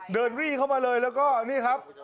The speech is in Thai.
รี่เข้ามาเลยแล้วก็นี่ครับ